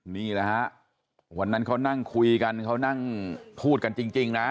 นี่แหละฮะวันนั้นเขานั่งคุยกันเขานั่งพูดกันจริงนะ